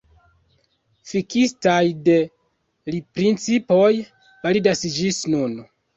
Fiksitaj de li principoj validas ĝis nun.